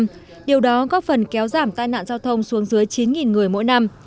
các trung tâm công tác xã hội kéo giảm tai nạn giao thông xuống dưới chín người mỗi năm